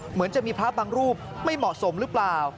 เหมือนจะมีพระบางรูปไม่เหมาะสมหรือเปล่า